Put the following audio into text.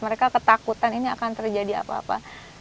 mereka ketakutan ini akan terjadi apa apa